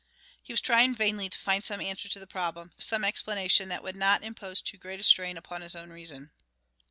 He was trying vainly to find some answer to the problem, some explanation that would not impose too great a strain upon his own reason.